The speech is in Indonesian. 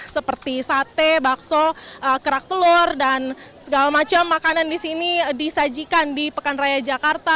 seperti sate bakso kerak telur dan segala macam makanan di sini disajikan di pekan raya jakarta